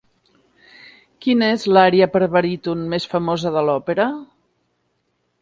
Quina és l'ària per a baríton més famosa de l'òpera?